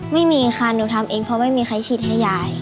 ไม่มีค่ะหนูทำเองเพราะไม่มีใครฉีดให้ยาย